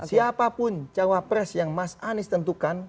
siapapun cawapres yang mas anies tentukan